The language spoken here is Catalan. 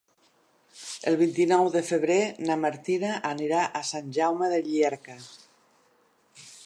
El vint-i-nou de febrer na Martina anirà a Sant Jaume de Llierca.